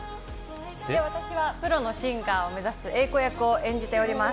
私はプロのシンガーを目指す英子役を演じております。